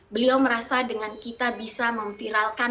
beliau merasa dengan kita bisa memviralkan dan mengapresiasi lebih banyak orang